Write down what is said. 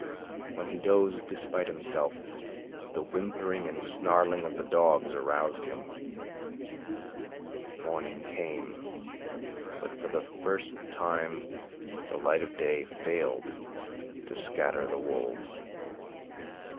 When he dozed despite himself, the whimpering and snarling of the dogs aroused him. Morning came, but for the first time the light of day failed to scatter the wolves.